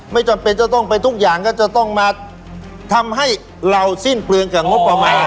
จำเป็นจะต้องไปทุกอย่างก็จะต้องมาทำให้เราสิ้นเปลืองกับงบประมาณ